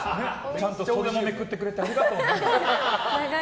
ちゃんと袖もめくってくれてありがとう。